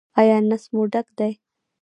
ایا نس مو ډک دی؟